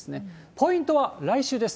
ポイントは来週です。